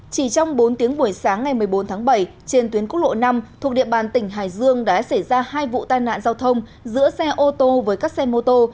chỉ trong bốn tiếng buổi sáng ngày một mươi bốn tháng bảy trên tuyến quốc lộ năm thuộc địa bàn tỉnh hải dương đã xảy ra hai vụ tai nạn giao thông giữa xe ô tô với các xe mô tô